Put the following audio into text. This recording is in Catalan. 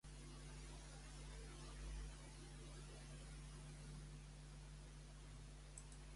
On s'esmenta de la Bíblia?